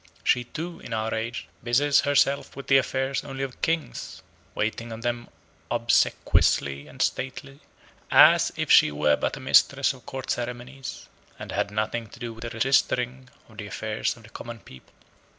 She too, in our age, busies herself with the affairs only of kings; waiting on them obsequiously and stately, as if she were but a mistress of court ceremonies, and had nothing to do with the registering of the affairs of the common people.